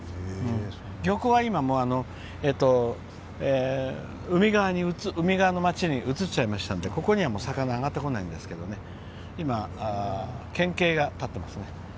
漁港は今、海側の街に移ってしまったのでここには、魚は揚がってこないんですけど今は県警が立っていますね。